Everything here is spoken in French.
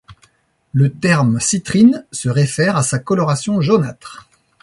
Le terme citrine se réfère à sa coloration jaunâtre.